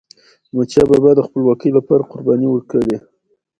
احمدشاه بابا د خپلواکی لپاره قرباني ورکړې.